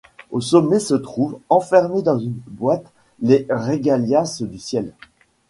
Au sommet se trouve, enfermés dans une boîte, les Régalias du Ciel.